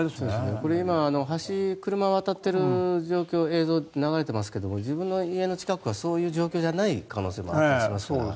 これ今橋、車渡っている映像が流れていますけど自分の家の近くがそういう状況じゃない可能性もあったりしますから。